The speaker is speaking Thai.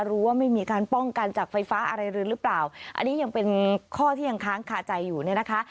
ว่าไม่มีการป้องกันจากไฟฟ้าอะไรเลยหรือเปล่าอันนี้ยังเป็นข้อที่ยังค้างคาใจอยู่เนี่ยนะคะ